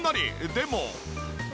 でも。